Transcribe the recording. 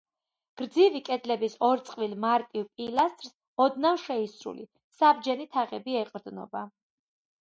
გრძივი კედლების ორ წყვილ მარტივ პილასტრს ოდნავ შეისრული საბჯენი თაღები ეყრდნობა.